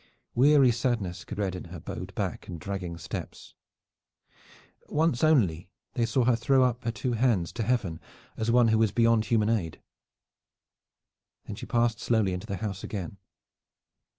Weary sadness could be read in her bowed back and dragging steps. Once only they saw her throw her two hands up to Heaven as one who is beyond human aid. Then she passed slowly into the house again.